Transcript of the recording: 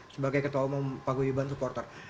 sebagai ketua umum paguyuban supporter